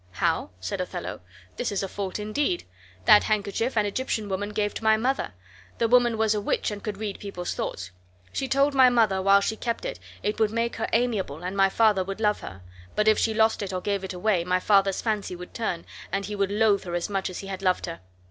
"How?" said Othello, "this is a fault indeed. That handkerchief an Egyptian woman gave to my mother; the woman was a witch and could read people's thoughts. She told my mother while she kept it it would make her amiable and my father would love her; but if she lost it or gave it away, my father's fancy would turn and he would loathe her as much as he had loved her.